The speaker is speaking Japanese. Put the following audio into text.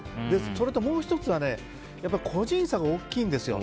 それともう１つは個人差が大きいんですよ。